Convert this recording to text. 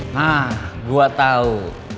nah gue tau